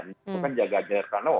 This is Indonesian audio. yang menjaga generasi rkno